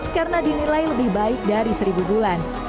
karena dinilai lebih baik dari seribu bulan